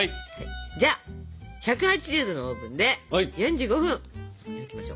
じゃあ１８０℃のオーブンで４５分焼きましょう。